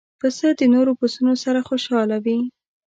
پسه د نور پسونو سره خوشاله وي.